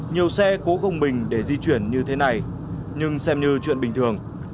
nhiều xe cố gông bình để di chuyển như thế này nhưng xem như chuyện bình thường